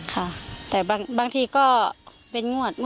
ครับแต่บางทีก็เว้นงวด